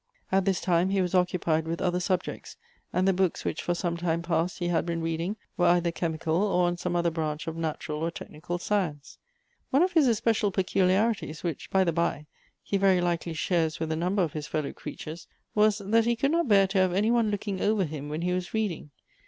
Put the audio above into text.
At this time he was occupied with other sub jects, and the books which, for some time past, he had been reading, were either chemical, or on some other branch of natural or technical science. One of his especial peculiarities — which, by the by, he very likely shares with a number of his fellow creatures — was, that he could not bear any one looking over him when he was reading.